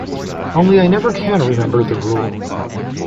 Only I never can remember the rule.